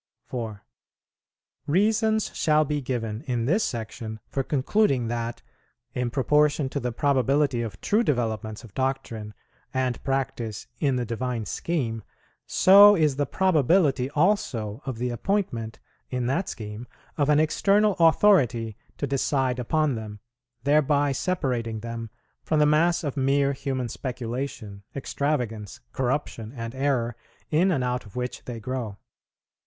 4. Reasons shall be given in this Section for concluding that, in proportion to the probability of true developments of doctrine and practice in the Divine Scheme, so is the probability also of the appointment in that scheme of an external authority to decide upon them, thereby separating them from the mass of mere human speculation, extravagance, corruption, and error, in and out of which they grow.